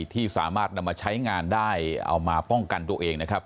ที่สามารถนำมาใช้งานได้เอามาป้องกันตัวเองนะครับ